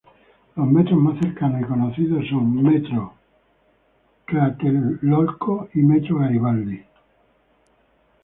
Los metros más cercanos y conocidos son metro Tlatelolco y metro Garibaldi.